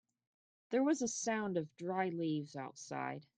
There was a sound of dry leaves outside.